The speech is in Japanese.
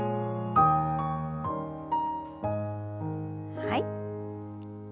はい。